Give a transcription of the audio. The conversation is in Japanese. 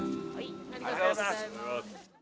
ありがとうございます。